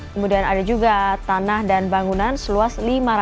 kemudian ada juga tanah dan bangunan seluas lima ratus dua puluh dua